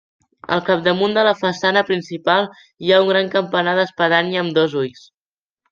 Al capdamunt de la façana principal hi ha un gran campanar d'espadanya amb dos ulls.